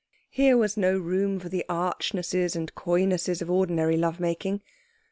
Here was no room for the archnesses and coynesses of ordinary lovemaking.